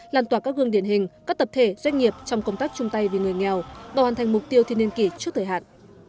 làn tỏa các gương điển hình các tập thể doanh nghiệp trong công tác chung tay vì người nghèo và hoàn thành mục tiêu thiên niên kỷ trước thời hạn